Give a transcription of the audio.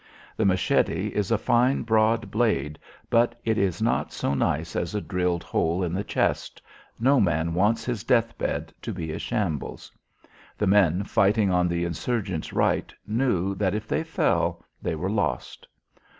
The machete is a fine broad blade but it is not so nice as a drilled hole in the chest; no man wants his death bed to be a shambles. The men fighting on the insurgents' right knew that if they fell they were lost.